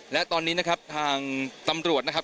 และตอนนี้นะครับทางตำรวจนะครับ